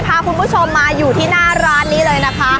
พาคุณผู้ชมมาอยู่ที่หน้าร้านนี้เลยนะคะ